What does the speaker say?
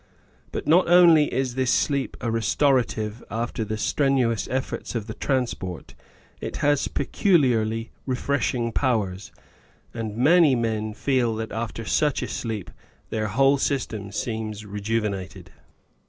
But not only is this sleep a restorative after the strenuous efforts of the transport, it has peculiarly ^^ Married Love refreshing powers, and many men fed that after such a sleep their whole system seems rejuvenated.